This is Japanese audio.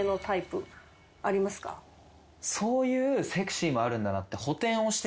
そういうセクシーもあるんだなって。